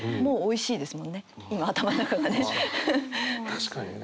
確かにね。